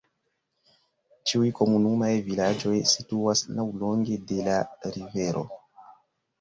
Ĉiuj komunumaj vilaĝoj situas laŭlonge de la rivero.